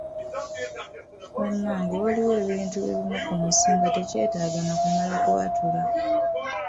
Bannange waliwo ebintu ebimu ku nsi nga tekyetaaga na kumala kwatula.